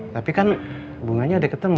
tapi kan bunganya udah ketemu